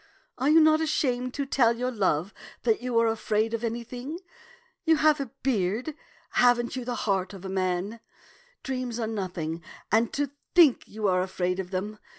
Are you not ashamed to tell your love that you are afraid of anything ? You have a beard, have n't you the heart of a man? Dreams are nothing — and to think that you are afraid of them